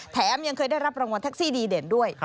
แถมยังเคยได้รับรางวัลแท็กซี่ดีเด่นด้วย